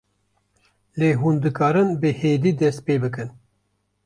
lê hûn karin bi hêdî dest pê bikin